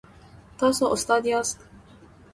تاسو استاد یاست؟